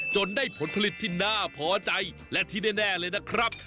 ได้ผลผลิตที่น่าพอใจและที่แน่เลยนะครับ